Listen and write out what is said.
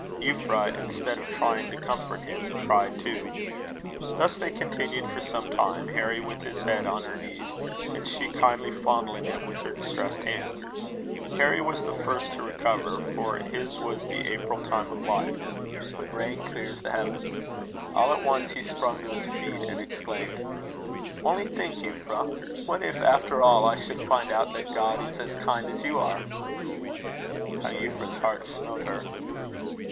Euphra, instead of trying to comfort him, cried too. Thus they continued for some time, Harry with his head on her knees, and she kindly fondling it with her distressed hands. Harry was the first to recover; for his was the April time, when rain clears the heavens. All at once he sprung to his feet, and exclaimed: "Only think, Euphra! What if, after all, I should find out that God is as kind as you are!" How Euphra's heart smote her!